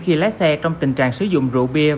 khi lái xe trong tình trạng sử dụng rượu bia